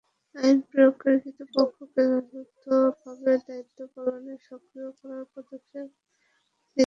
আইন প্রয়োগকারী কর্তৃপক্ষকে যথাযথভাবে দায়িত্ব পালনে সক্রিয় করার পদক্ষেপ নিতে হবে।